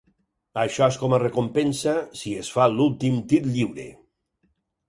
Això és com a recompensa si es fa l'últim tir lliure.